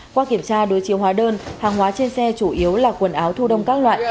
qua kiểm tra đối chiếu hóa đơn hàng hóa trên xe chủ yếu là quần áo thu đông các loại